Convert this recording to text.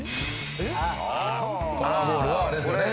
カラーボールはあれですよね。